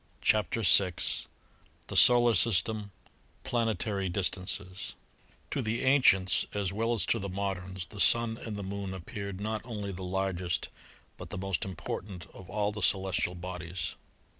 CHAPTER VI THE SOLAR SYSTEM PLANETARY DISTANCES To the ancients as well as to the moderns the Sun and the Moon appeared not only the largest but the most im portant of all the celestial bodies.